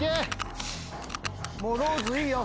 もうローズいいよ